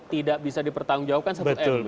tidak bisa dipertanggungjawabkan satu m